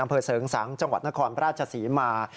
อำเภอเสริงสังจังหวัดนครราชศรีมา